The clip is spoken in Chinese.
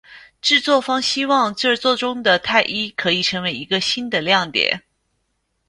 制作方希望这作中的泰伊可以成为一个新的亮点。